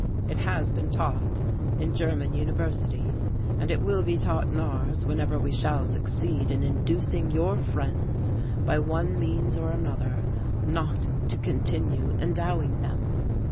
It has been taught in German universities, and it will be taught in ours whenever we shall succeed in inducing your friends, by one means or another, not to continue endowing them.